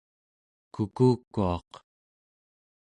kukukuaq